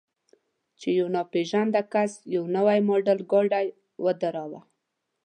چې یو ناپېژانده کس یو نوی ماډل ګاډی ودراوه.